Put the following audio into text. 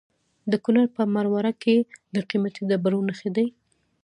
د کونړ په مروره کې د قیمتي ډبرو نښې دي.